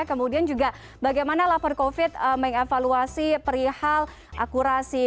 kemudian juga bagaimana lapor covid mengevaluasi perihal akurasi